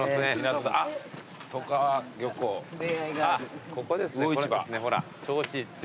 あっここですねほら。